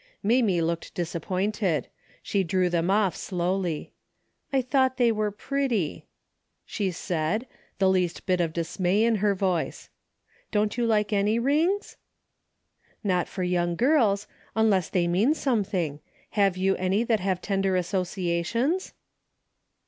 Mamie looked disappointed. She drew them off slowly. " I thought they were pretty," she said, the least bit of dismay in her voice. " Don't you like any rings ?" "Not for young girls, — ^unless they mean something. Have you any that have tender associations